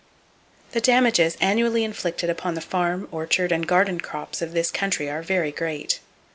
The damages annually inflicted upon the farm, orchard and garden crops of this country are very great.